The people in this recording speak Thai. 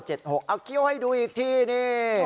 เอาเคี้ยวให้ดูอีกทีนี่